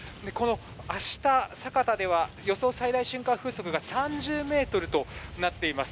明日、酒田では予想最大瞬間風速が３０メートルとなっています。